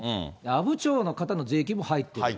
阿武町の方の税金も入ってる。